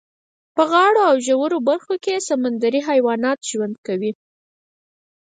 په غاړو او ژورو برخو کې یې سمندري حیوانات ژوند کوي.